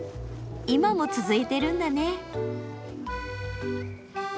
今も続いてるんだね。